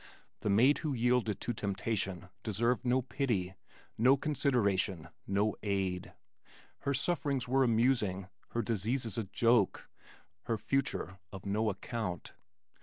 The maid who yielded to temptation deserved no pity, no consideration, no aid. Her sufferings were amusing, her diseases a joke, her future of no account.